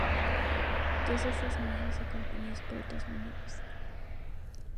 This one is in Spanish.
Todas estas imágenes acompañadas por otras menores.